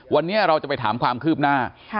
วันนี้เราจะไปถามความคืบหน้า